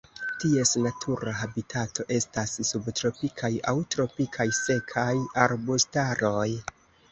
Ties natura habitato estas subtropikaj aŭ tropikaj sekaj arbustaroj.